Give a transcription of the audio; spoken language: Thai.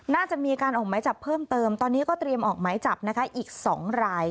น่าจะมีการออกไม้จับเพิ่มเติมตอนนี้ก็เตรียมออกหมายจับนะคะอีก๒ราย